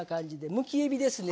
むきえびですね。